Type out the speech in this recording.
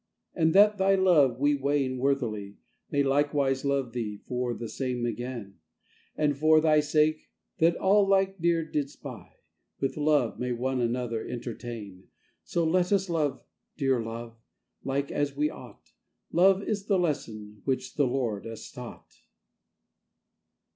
And that thy love we weighing worthily, May likewise love thee for the same again; And for thy sake, that all like dear didst buy, With love may one another entertain. So let us love, dear Love, like as we ought; Love is the lesson which the Lord us taught.